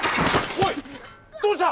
おいどうした？